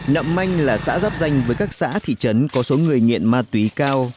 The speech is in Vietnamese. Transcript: nậm manh là xã giáp danh với các xã thị trấn có số người nghiện ma túy cao